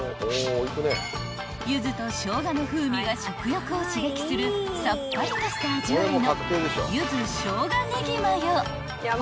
［柚子としょうがの風味が食欲を刺激するさっぱりとした味わいの］